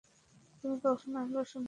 তুমি কখনই আলোর সন্ধান পাবে না!